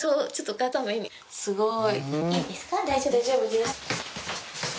すごい。